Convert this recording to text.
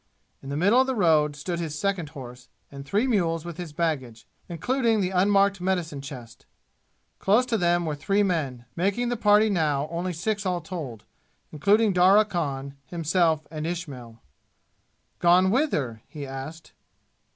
In the middle of the road stood his second horse, and three mules with his baggage, including the unmarked medicine chest. Close to them were three men, making the party now only six all told, including Darya Khan, himself and Ismail. "Gone whither?" he asked.